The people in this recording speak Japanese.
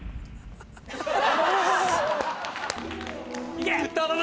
いけ！